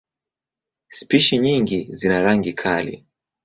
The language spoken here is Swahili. Spishi nyingi zina rangi kali.